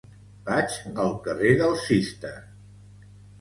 Vaig al carrer del Cister.